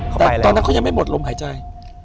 แต่ตอนนั้นเขายังไม่หมดลมหายใจ